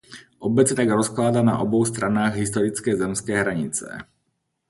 Obec se tak rozkládá na obou stranách historické zemské hranice.